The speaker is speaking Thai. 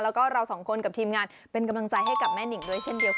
แล้วก็เราสองคนกับทีมงานเป็นกำลังใจให้กับแม่นิงด้วยเช่นเดียวกัน